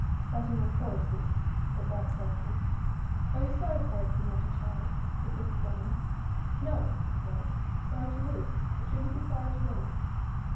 'Betting on horses,' said White sulkily. 'Are you sorry for it, you naughty child?' said Mrs. Lemon. 'No,' said White. 'Sorry to lose, but shouldn't be sorry to win.